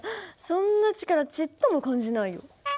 そんな力ちっとも感じないよ。